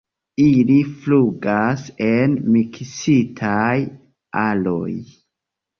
Ili flugas en miksitaj aroj.